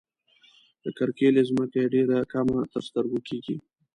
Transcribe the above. د کرکيلې ځمکه یې ډېره کمه تر سترګو کيږي.